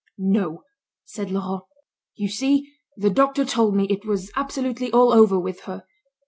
"No," said Laurent. "You see, the doctor told me it was absolutely all over with her.